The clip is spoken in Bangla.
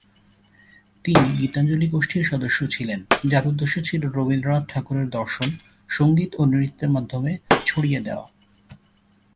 তিনি গীতাঞ্জলি গোষ্ঠীর সদস্য ছিলেন, যার উদ্দেশ্য ছিল রবীন্দ্রনাথ ঠাকুরের দর্শন সঙ্গীত ও নৃত্যের মাধ্যমে ছড়িয়ে দেওয়া।